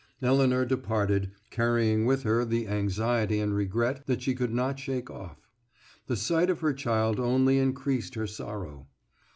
Elinor departed, carrying with her the anxiety and regret that she could not shake off. The sight of her child only increased her sorrow.